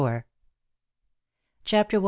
CHAPTER I.